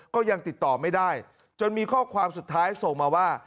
ก็ยังติดต่อไม่ได้จนมีข้อความสุดท้ายส่งมาว่า